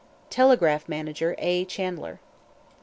(Telegraph Manager A. Chandler.)